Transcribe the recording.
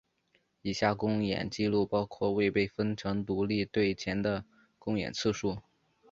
以下公演记录包括未被分成独立队前的公演次数。